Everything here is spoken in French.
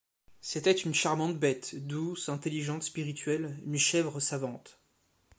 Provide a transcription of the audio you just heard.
C’était une charmante bête, douce, intelligente, spirituelle, une chèvre savante.